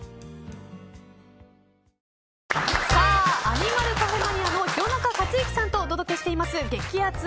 アニマルカフェマニアの廣中克至さんとお送りしています激アツ！